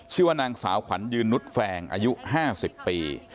ชื่อว่านางสาวขวัญยืนนุษยแฟงอายุ๕๐ปี